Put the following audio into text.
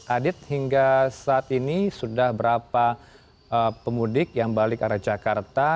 adit hingga saat ini sudah berapa pemudik yang balik arah jakarta